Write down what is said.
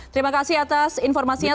terima kasih atas informasinya